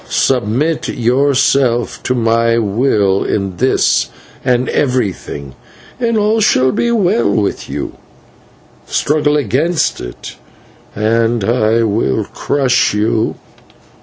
Submit yourself to my will in this and everything, and all shall be well with you; struggle against it and I will crush you.